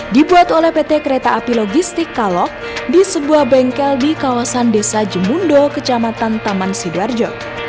dibuat oleh pt kereta api logistik kalok di sebuah bengkel di kawasan desa jemundo kecamatan taman sidoarjo